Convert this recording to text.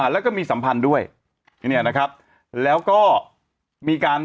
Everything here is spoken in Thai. แล้วก็มีสัมพันธ์ด้วยและก็มีการ